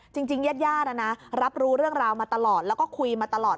ญาติญาติรับรู้เรื่องราวมาตลอดแล้วก็คุยมาตลอด